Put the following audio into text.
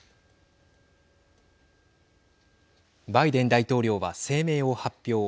バイデン大統領は声明を発表。